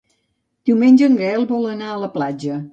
Diumenge en Gaël vol anar a la platja.